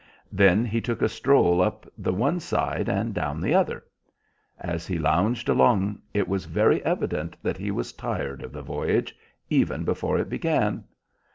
Then he took a stroll up the one side and down the other. As he lounged along it was very evident that he was tired of the voyage, even before it began.